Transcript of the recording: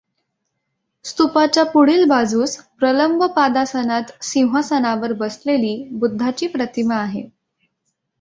स्तूपाच्या पुढील बाजूस प्रलंबपादासनात सिंहासनावर बसलेली बुद्धाची प्रतिमा आहे.